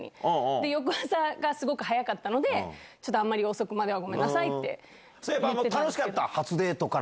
翌朝がすごく早かったので、ちょっとあまり遅くまではごめんなさいって。